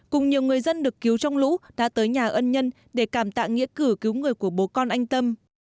cứu trong lũ đã tới nhà ân nhân để cảm tạng nghĩa cử cứu người của bố con anh tâm